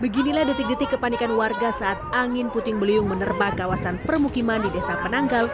beginilah detik detik kepanikan warga saat angin puting beliung menerbang kawasan permukiman di desa penanggal